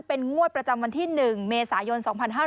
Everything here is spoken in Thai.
เป็นงวดประจำวันที่๑เมษายน๒๕๕๙